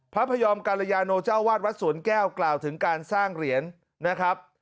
พยอมกรยาโนเจ้าวาดวัดสวนแก้วกล่าวถึงการสร้างเหรียญนะครับ